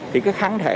thì cái kháng thể